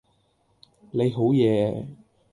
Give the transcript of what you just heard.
你好嘢